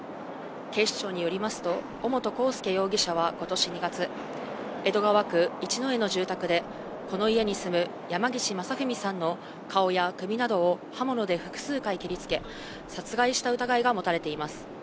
警視庁によりますと、尾本幸祐容疑者はことし２月、江戸川区一之江の住宅で、この家に住む山岸正文さんの顔や首などを刃物で複数回切りつけ、殺害した疑いが持たれています。